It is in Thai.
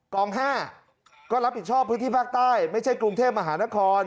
๕ก็รับผิดชอบพื้นที่ภาคใต้ไม่ใช่กรุงเทพมหานคร